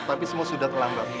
tapi semua sudah terlambat